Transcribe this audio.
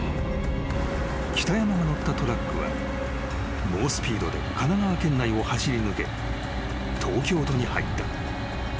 ［北山が乗ったトラックは猛スピードで神奈川県内を走り抜け東京都に入った］